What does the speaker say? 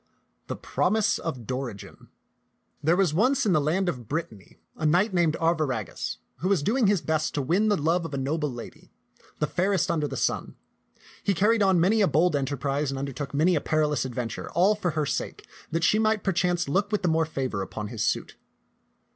THE PROMISE OF DORIGEN THERE was once in the land of Brittany a knight named Arviragus, who was doing his best to win the love of a noble lady, the fairest under the sun. He carried on many a bold enterprise and undertook many a perilous adventure all for her sake, that she might perchance look with the more favor upon his suit.